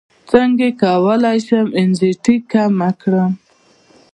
څنګه کولی شم انزیتي کمه کړم